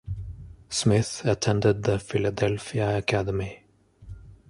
Smith attended the Philadelphia Academy.